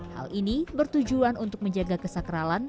hal ini bertujuan untuk menjaga kesakralan